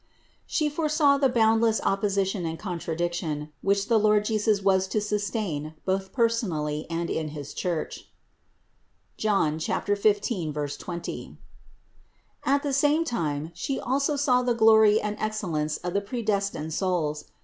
She foresaw the boundless opposition and contradiction, which the Lord Jesus was to sustain both personally and in his Church (John 15, 20). At the same time She also saw the glory and excellence of the predestined souls.